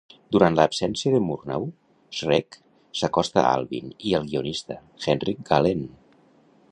Durant l'absència de Murnau, Schreck s'acosta a Albin i al guionista, Henrik Galeen.